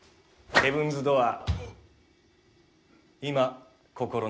ヘブンズ・ドアー。